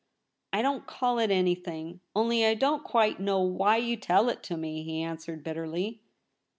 ' I don't call it anything — only I don't quite know why you tell it to me,' he answered bitterly.